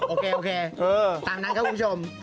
โอเคโอเคตามนั้นครับคุณผู้ชม